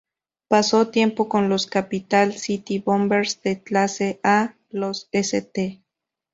Pasó tiempo con los Capital City Bombers de Clase A, los St.